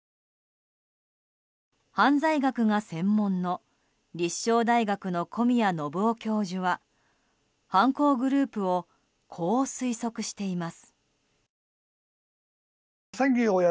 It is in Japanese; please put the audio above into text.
犯罪学が専門の立正大学の小宮信夫教授は犯行グループをこう推測しています。